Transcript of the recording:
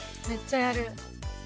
めっちゃやる。